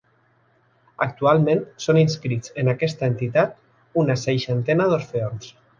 Actualment són inscrits en aquesta entitat una seixantena d'orfeons.